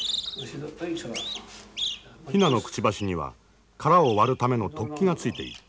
ヒナのくちばしには殻を割るための突起がついている。